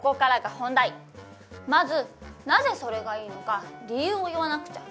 まずなぜそれがいいのか理由を言わなくちゃ。